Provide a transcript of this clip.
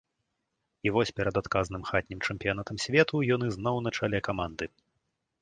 І вось перад адказным хатнім чэмпіянатам свету ён ізноў на чале каманды.